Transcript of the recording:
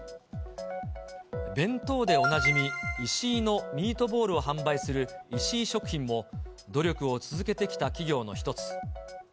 弁当でおなじみ、イシイのミートボールを販売する石井食品も、努力を続けてきた企業の一つ。